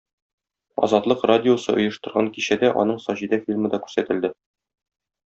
"Азатлык" радиосы оештырган кичәдә аның "Саҗидә" фильмы да күрсәтелде.